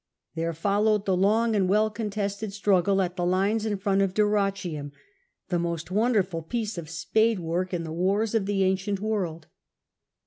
There followed the long and well contested struggle at the lines in front of Dyrrhachimn, the most wonderful piece of spade work \xx the wars of the ancient world.